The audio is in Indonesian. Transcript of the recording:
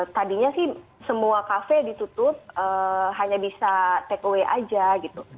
tadinya sih semua kafe ditutup hanya bisa take away aja gitu